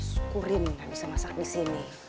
syukurin gak bisa masak disini